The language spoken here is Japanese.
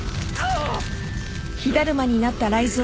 あっ。